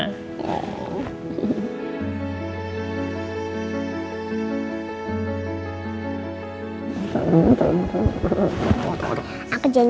awww oma juga sayang sekali sama reina